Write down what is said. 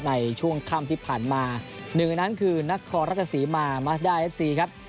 ในช่วงค่ำที่ผ่านมาหนึ่งในนั้นคือนครราชสีมามัสด้าเอฟซีครับ